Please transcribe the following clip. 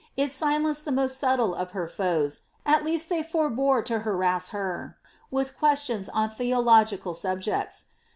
It silenced the most subtle of her foes, It least they forbore to harass her, with questions on theological sub jects.